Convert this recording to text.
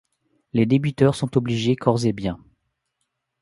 Les débiteurs sont obligés corps et biens.